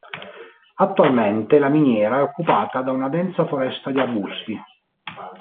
Attualmente la miniera è occupata da una densa foresta di arbusti.